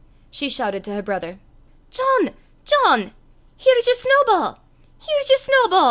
She shouted to her brother. "John! John! here's yer Snawba'; here's yer Snawba'."